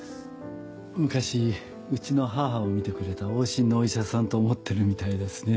昔うちの母を診てくれた往診のお医者さんと思ってるみたいですね。